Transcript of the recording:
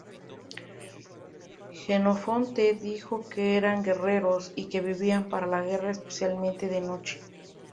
Jenofonte dice que eran guerreros y que vivían para la guerra, especialmente de noche.